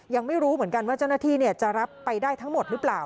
ยังไม่รู้เหมือนกันว่าเจ้าหน้าที่จะรับไปได้ทั้งหมดหรือเปล่า